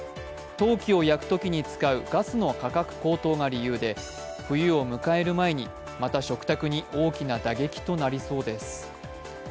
陶器を焼くときに使うガスの価格高騰が理由で冬を迎える前に、また食卓に大きな打撃となりそうです。